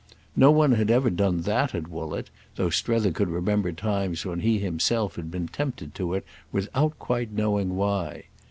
No one had ever done that at Woollett, though Strether could remember times when he himself had been tempted to it without quite knowing why.